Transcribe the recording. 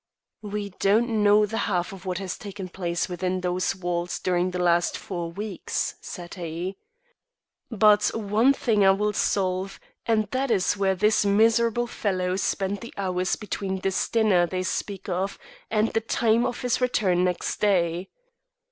"We don't know the half of what has taken place within those walls during the last four weeks," said he. "But one thing I will solve, and that is where this miserable fellow spent the hours between this dinner they speak of and the time of his return next day.